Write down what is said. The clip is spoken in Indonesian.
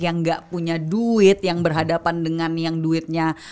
yang gak punya duit yang berhadapan dengan yang duitnya